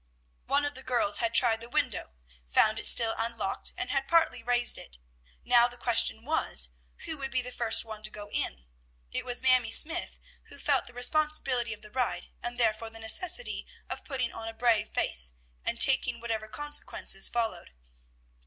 One of the girls had tried the window, found it still unlocked, and had partly raised it. Now the question was, who would be the first one to go in? It was Mamie Smythe who felt the responsibility of the ride, and therefore the necessity of putting on a brave face, and taking whatever consequences followed.